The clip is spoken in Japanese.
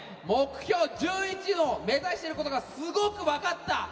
目標１１を目指していることがすごく分かった！